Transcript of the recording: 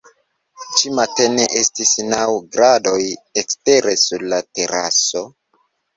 Ĉi-matene estis naŭ gradoj ekstere sur la teraso.